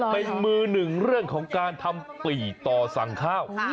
เป็นมือหนึ่งเรื่องของการทำปี่ต่อสั่งข้าว